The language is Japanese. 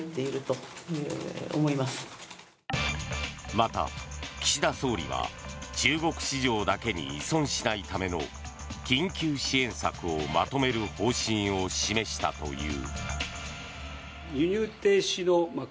また、岸田総理は中国市場だけに依存しないための緊急支援策をまとめる方針を示したという。